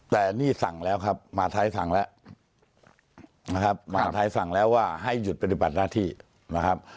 แต่นี่สั่งแล้วครับมาท้ายสั่งแล้วนะครับมหาทัยสั่งแล้วว่าให้หยุดปฏิบัติหน้าที่นะครับ